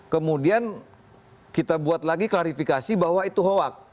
kemudian kita buat lagi klarifikasi bahwa itu hoak